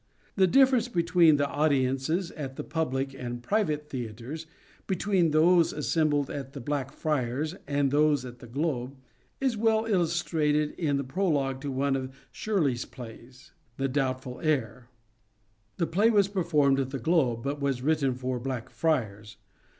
The difference between the audiences at the public and private theatres, between those assembled at The Black Friars and those at The Globe, is well illustrated in the prologue to one of Shirley's plays, " The Doubtful Heir." The play was performed at The Globe, but was written for Black Friars.